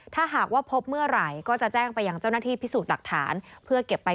ถ้าหากว่าพบเมื่อไหร่ก็จะแจ้งไปยังเจ้าหน้าที่พิสูจน์หลักฐานเพื่อเก็บไป